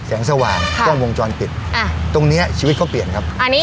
สว่างกล้องวงจรปิดตรงนี้ชีวิตเขาเปลี่ยนครับอันนี้